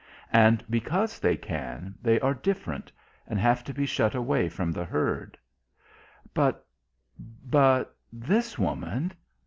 And because they can, they are different, and have to be shut away from the herd. But but this woman.